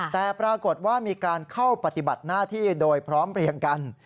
แต่ปรากฏว่ามีการเข้าปฏิบัติหน้าที่โดยพร้อมเรียงกัน